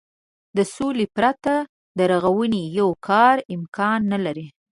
له سولې پرته د رغونې يو کار امکان نه لري.